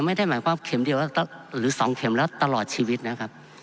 ไม่ได้หมายความเข็มเดียวหรือ๒เข็มแล้วตลอดชีวิตนะครับ